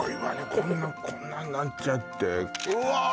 こんなこんなんなっちゃってうわあ